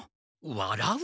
わらう？